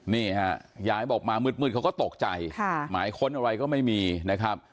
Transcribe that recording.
นี่ฮะยายบอกมามืดเขาก็ตกใจหมายค้นอะไรก็ไม่มีนะครับ